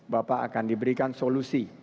bapak akan diberikan solusi